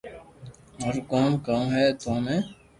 مارو ڪوم ڪاو ھي تو ۾